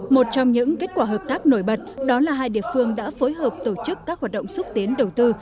một trong những kết quả hợp tác nổi bật đó là hai địa phương đã phối hợp tổ chức các hoạt động xúc tiến đầu tư